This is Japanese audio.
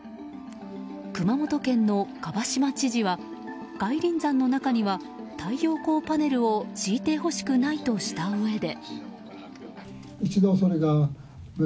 熊本県の蒲島知事は外輪山の中には太陽光パネルを敷いてほしくないとしたうえで。